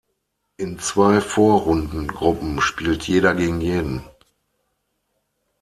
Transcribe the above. In zwei Vorrundengruppen spielt „jeder gegen jeden“.